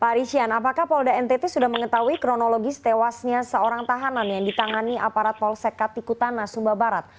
pak rishian apakah polda ntt sudah mengetahui kronologis tewasnya seorang tahanan yang ditangani aparat polsek katikutana sumba barat